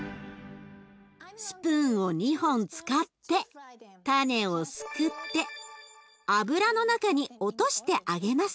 スプーンを２本使ってタネをすくって油の中に落として揚げます。